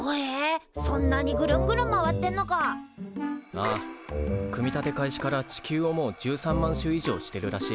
ああ組み立て開始から地球をもう１３万周以上してるらしい。